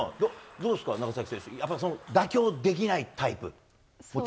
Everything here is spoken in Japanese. どうですか、長崎選手、やっぱりその妥協できないタイプ？